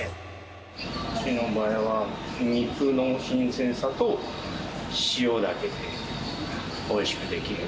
うちの場合は、肉の新鮮さと塩だけでおいしくできる。